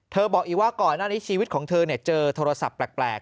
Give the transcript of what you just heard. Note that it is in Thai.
บอกอีกว่าก่อนหน้านี้ชีวิตของเธอเจอโทรศัพท์แปลก